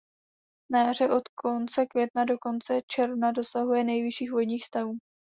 Na jaře od konce května do konce června dosahuje nejvyšších vodních stavů.